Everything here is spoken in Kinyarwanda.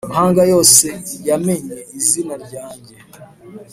amahanga yose yamenye izina ryanjye.